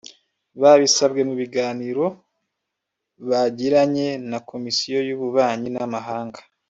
Babisabwe mu biganiro bagiranye na Komisiyo y’Ububanyi n’Amahanga